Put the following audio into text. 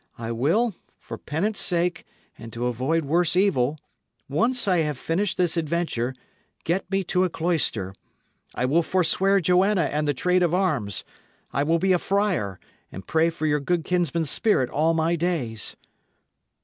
I will, for penance sake and to avoid worse evil, once I have finished this adventure, get me to a cloister. I will forswear Joanna and the trade of arms. I will be a friar, and pray for your good kinsman's spirit all my days."